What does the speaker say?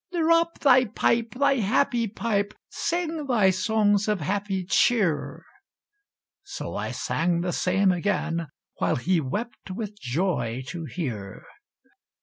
"Drop thy pipe, thy happy pipe; Sing thy songs of happy cheer!" So I sang the same again, While he wept with joy to hear.